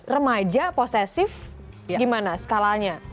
remaja posesif gimana skalanya